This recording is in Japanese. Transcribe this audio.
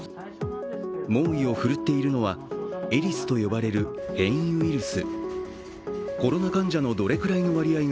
猛威を振るっいるのはエリスと呼ばれる変異ウイルス。